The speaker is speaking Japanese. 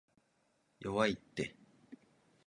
弱いって